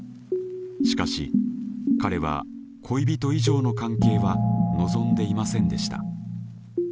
しかし彼は恋人以上の関係は望んでいませんでした。